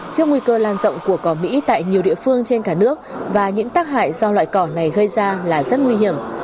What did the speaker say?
trước nguy cơ lan rộng của cỏ mỹ tại nhiều địa phương trên cả nước và những tác hại do loại cỏ này gây ra là rất nguy hiểm